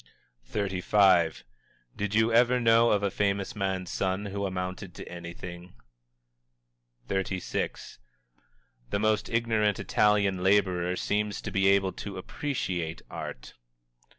_" XXXV. "Did you ever know of a famous man's son who amounted to anything?" XXXVI. "_The most ignorant Italian laborer seems to be able to appreciate art.